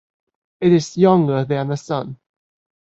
It is younger than the Sun.